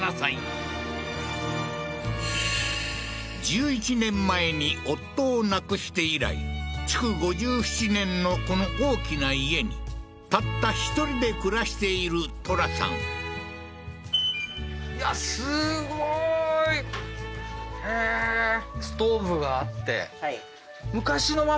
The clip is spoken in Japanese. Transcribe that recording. １１年前に夫を亡くして以来築５７年のこの大きな家にたった１人で暮らしているトラさんへえーっていう